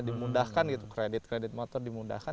dimudahkan gitu kredit kredit motor dimudahkan